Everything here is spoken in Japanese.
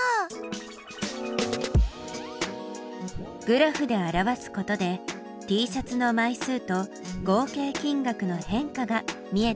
グラフで表すことでＴシャツの枚数と合計金額の変化が見えてきたね。